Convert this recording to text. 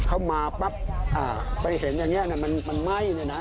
เข้ามาปั๊บไปเห็นอย่างนี้มันไหม้เลยนะ